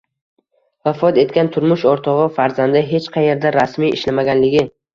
Vafot etgan turmush o‘rtog‘i, farzandi hech qayerda rasmiy ishlamaganligi